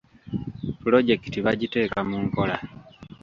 Pulojekiti bagiteeka mu nkola.